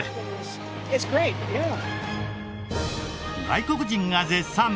外国人が絶賛！